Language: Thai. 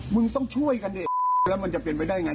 มึงต้องช่วยกันดิแล้วมันจะเป็นไปได้ไง